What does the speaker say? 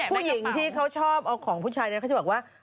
ผู้หญิงที่เขาชอบเอาของผู้ชายเนี่ยเขาจะบอกว่า